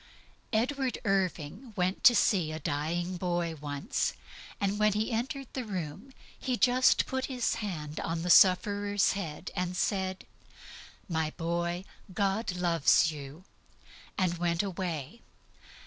Edward Irving went to see a dying boy once, and when he entered the room he just put his hand on the sufferer's head, and said, "My boy, God loves you," and went away.